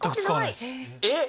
えっ⁉